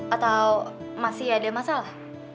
atau masih ada masalah